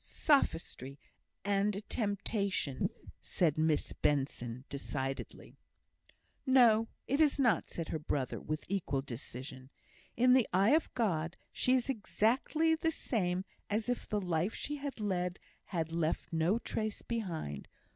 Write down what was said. "Sophistry and a temptation," said Miss Benson, decidedly. "No, it is not," said her brother, with equal decision. "In the eye of God, she is exactly the same as if the life she has led had left no trace behind.